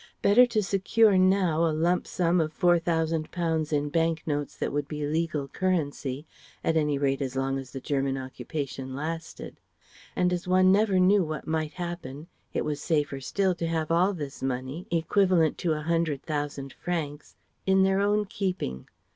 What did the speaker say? Better to secure now a lump sum of four thousand pounds in bank notes that would be legal currency, at any rate as long as the German occupation lasted. And as one never knew what might happen, it was safer still to have all this money (equivalent to a hundred thousand francs), in their own keeping.